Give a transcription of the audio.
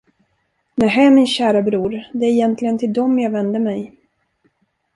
Nähä, min käre bror, det är egentligen till dem jag vänder mig.